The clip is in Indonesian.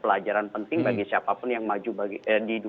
pelajaran penting bagi siapa pun yang maju di dua ribu dua puluh empat